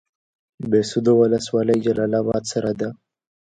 د بهسودو ولسوالۍ جلال اباد سره ده